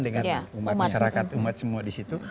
dengan umat umat semua disitu